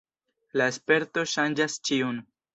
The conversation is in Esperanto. La sperto ŝanĝas ĉiun.